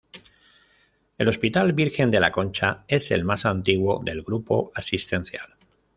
El Hospital Virgen de la Concha es el más antiguo del grupo asistencial.